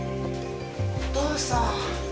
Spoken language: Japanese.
お父さん。